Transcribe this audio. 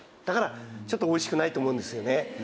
だからちょっとおいしくないと思うんですよね。